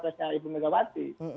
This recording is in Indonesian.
pernah menjadi cak wapres ibu megawati